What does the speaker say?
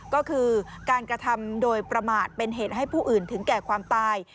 ก็คือการกระทำโดยประมาทเป็นเหตุให้ผู้อื่นถึงแก่ความตาย